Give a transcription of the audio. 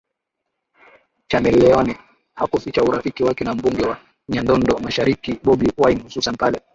Chameleone hakuficha urafiki wake na mbunge wa Kyadondo mashariki Bobi Wine hususan pale